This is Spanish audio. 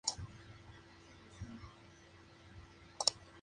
Es la primera vez que se celebra este evento fuera de Durban, Sudáfrica.